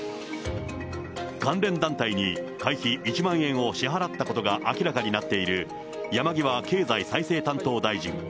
関連団体に会費１万円を支払ったことが明らかになっている、山際経済再生担当大臣。